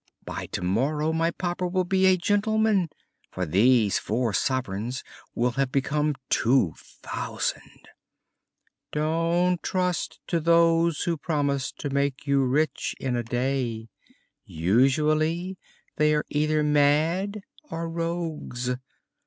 "By tomorrow my papa will be a gentleman, for these four sovereigns will have become two thousand." "Don't trust to those who promise to make you rich in a day. Usually they are either mad or rogues!